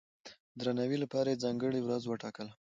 د درناوي لپاره یې ځانګړې ورځ وټاکله.